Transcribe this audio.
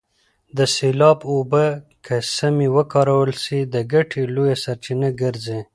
د سیلاب اوبه که سمې وکارول سي د ګټې لویه سرچینه ګرځي.